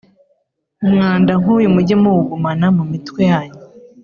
Umwanda nkuyu muge muwugumana mumitwe yanyu